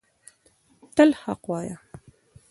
تل حق وایه